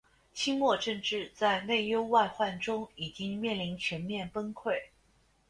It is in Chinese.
清末政治在内忧外患中已经面临全面崩溃。